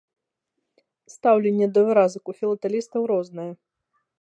Стаўленне да выразак у філатэлістаў рознае.